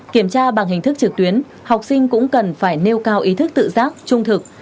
kiểm tra bằng hình thức trực tuyến học sinh cũng cần phải nêu cao ý thức tự giác trung thực